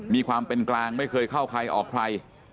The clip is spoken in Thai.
มีความเป็นกลางไม่เคยเข้าใครออกใคร